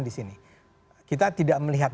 disini kita tidak melihat